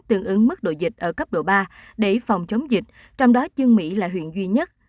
tương ứng mức độ dịch ở cấp độ ba để phòng chống dịch trong đó chương mỹ là huyện duy nhất